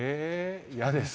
嫌です。